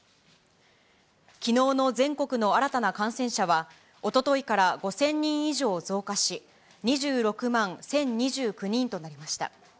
きのうの全国の新たな感染者は、おとといから５０００人以上増加し、２６万１０２９人となりました。